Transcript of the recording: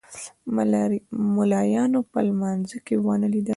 ملایانو په لمانځه کې ونه لید.